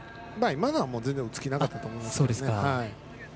今のは全然打つ気なかったと思いますよ。